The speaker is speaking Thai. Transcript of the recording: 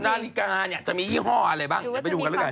นาฬิกาจะมียี่ห้ออะไรบ้างจะไปดูกันแล้วกัน